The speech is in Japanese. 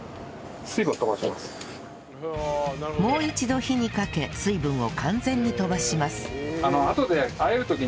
もう一度火にかけ水分を完全に飛ばします